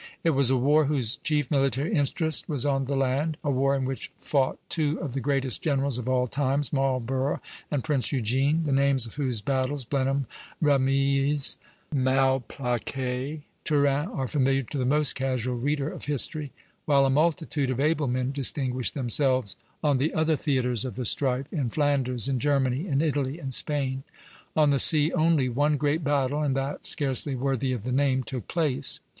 It was a war whose chief military interest was on the land, a war in which fought two of the greatest generals of all times, Marlborough and Prince Eugene, the names of whose battles, Blenheim, Ramillies, Malplaquet, Turin, are familiar to the most casual reader of history; while a multitude of able men distinguished themselves on the other theatres of the strife, in Flanders, in Germany, in Italy, in Spain. On the sea only one great battle, and that scarcely worthy of the name, took place.